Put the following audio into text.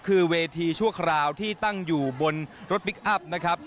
คือเวทีชั่วคราวที่ตั้งอยู่บนรถพลิกอัพนะครับ